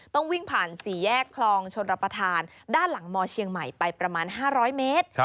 ต้องวิ่งผ่าน๔แยกคลองชนรับประทานด้านหลังมเชียงใหม่ไปประมาณ๕๐๐เมตร